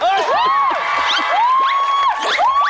เฮ่ย